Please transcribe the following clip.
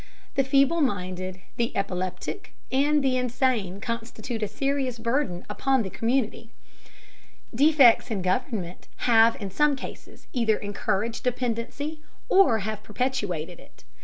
The feeble minded, the epileptic, and the insane constitute a serious burden upon the community. Defects in government have in some cases either encouraged dependency, or have perpetuated it.